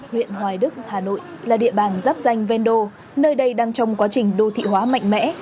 huyện hoài đức hà nội là địa bàn giáp danh vendo nơi đây đang trong quá trình đô thị hóa mạnh mẽ